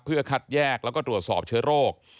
เพื่อคัดแยกแล้วก็ตรวจสอบเชื้อโรค